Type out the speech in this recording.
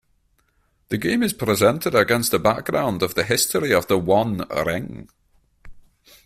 The game is presented against the background of the history of the One Ring.